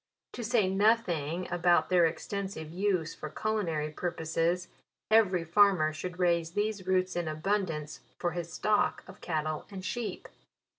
To say nothing about their extensive use for culina ry purposes, every farmer should raise these roots in abundance, for his stock of cattle and sheep.